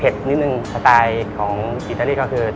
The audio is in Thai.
สองตัวนี้คือ